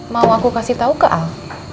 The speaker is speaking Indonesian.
mau aku kasih tau ke al